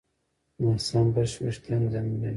ناسم برش وېښتيان زیانمنوي.